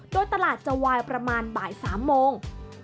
โดยตลาดจะวายประมาณบ่าย๓โมง